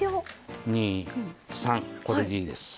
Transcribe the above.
これでいいです。